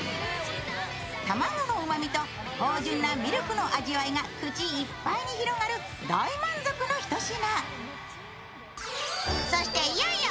卵のうまみと芳じゅんなミルクの味わいが口いっぱいに広がる大満足のひと品。